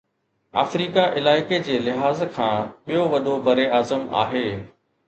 Africa علائقي جي لحاظ کان ٻيو وڏو براعظم آهي